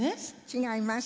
違います。